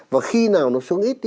và khi nào nó xuống ít